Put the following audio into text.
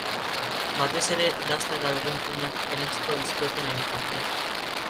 Batez ere dasta eta lurrin finak erantsiko dizkioten elikagaiak.